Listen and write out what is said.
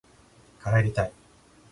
帰りたい